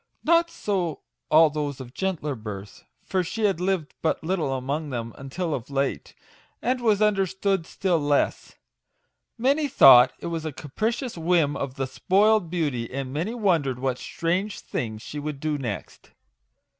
Not so all those of gentler birth; for she had lived but little 44 MAGIC WORDS. among them until of late, and was understood still less. Many thought it a capricious whim of the spoiled beauty, and many wondered what strange thing she would do next.